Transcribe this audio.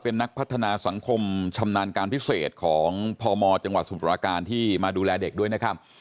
เป็นนักพัฒนาสังคมชำนาญการพิเศษของพมจังหวัดสมุทราการที่มาดูแลเด็กด้วยนะครับ